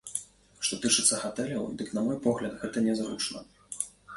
Што тычыцца гатэляў, дык на мой погляд, гэта нязручна.